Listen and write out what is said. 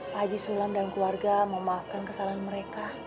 pak haji sulam dan keluarga mau maafkan kesalahan mereka